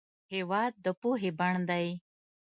هېواد د پوهې بڼ دی.